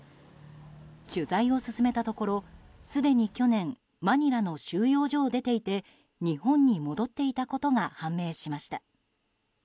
取材を進めたところすでに去年マニラの収容所を出ていて日本に戻っていたことが判明しました。